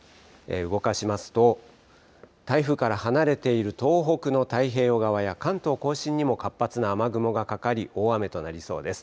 動かしますと台風から離れている東北の太平洋側や関東甲信にも活発な雨雲がかかり大雨となりそうです。